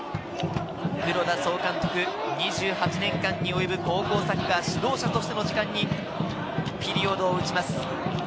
黒田総監督、２８年間に及ぶ高校サッカー指導者としての時間にピリオドを打ちます。